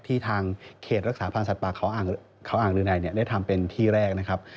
ที่ทางเขตรักษาพลังสัตว์ป่าเขาอ่างฤนัยได้ทำเป็นที่แรกนะครับ